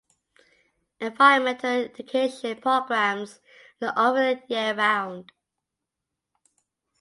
Environmental education programs are offered year round.